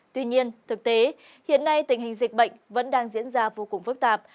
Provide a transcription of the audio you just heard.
tuy nhiên thực tế hiện nay tình hình dịch bệnh vẫn đang diễn ra vô cùng phức tạp